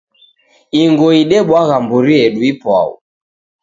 Ingo idebwagha mburi yedu ipwau.